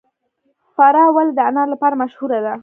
فراه ولې د انارو لپاره مشهوره ده؟